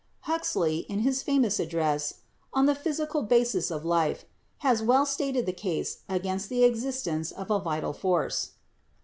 Huxley, in his famous address 'On the Physical Basis of Life,' has well stated the case against the existence of a vital force.